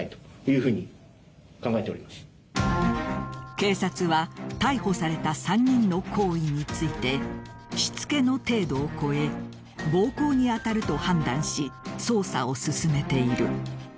警察は逮捕された３人の行為についてしつけの程度を超え暴行に当たると判断し捜査を進めている。